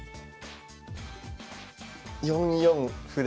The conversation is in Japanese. ４四歩で。